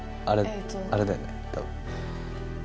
あれあれだよね